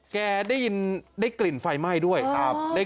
แกได้ยินได้กลิ่นไฟไหม้ด้วยครับ